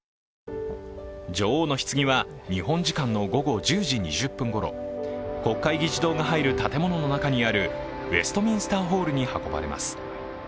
女王のひつぎは日本時間の午後１０時２０分ごろ、国会議事堂が入る建物の中にあるウェストミンスターホールに運ばれます。